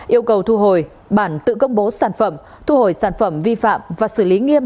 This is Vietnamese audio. yêu cầu thu hồi bản tự công bố sản phẩm thu hồi sản phẩm vi phạm và xử lý nghiêm